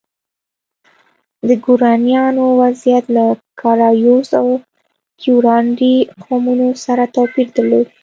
د ګورانیانو وضعیت له کارایوس او کیورانډي قومونو سره توپیر درلود.